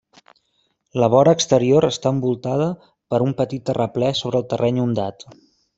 La vora exterior està envoltada per un petit terraplè sobre el terreny ondat.